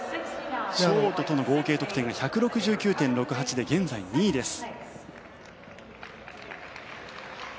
ショートとの合計得点が１６９．６８で現在２位です。